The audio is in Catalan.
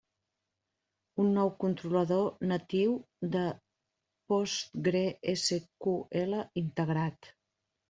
Un nou controlador natiu de PostgreSQL integrat.